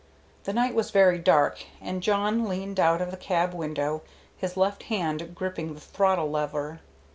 The night was very dark, and Jawn leaned out of the cab window, his left hand gripping the throttle lever.